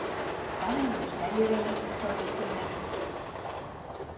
画面の左上に表示しています。